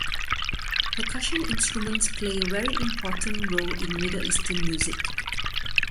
Percussion instruments play a very important role in Middle Eastern music.